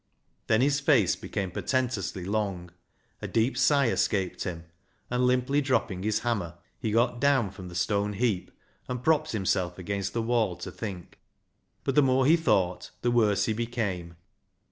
Then his face became portentously long, a deep sigh escaped him, and, limply dropping his hammer, he got down from the stone heap and propped himself against the wall to think. But the more he thought the worse he became.